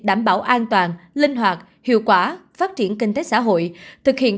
đảm bảo an toàn linh hoạt hiệu quả phát triển kinh tế xã hội